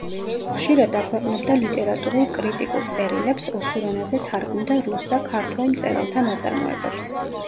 ხშირად აქვეყნებდა ლიტერატურულ-კრიტიკულ წერილებს, ოსურ ენაზე თარგმნიდა რუს და ქართველ მწერალთა ნაწარმოებებს.